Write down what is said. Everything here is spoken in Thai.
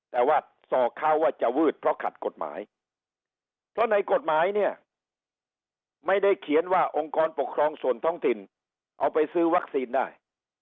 แต่ว่าสอกเขาว่าจะวืดเพราะขัดกฎหมายเพราะในกฎหมายเนี่ยไม่ได้เขียนว่าองค์กรปกครองส่วนท้องถิ่นเอาไปซื้อวัคซีนได้